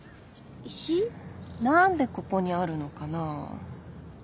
何でここにあるのかな？